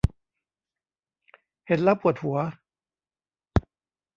เห็นแล้วปวดหัว